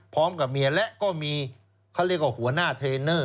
พร้อมกับเมียและก็มีเขาเรียกว่าหัวหน้าเทรนเนอร์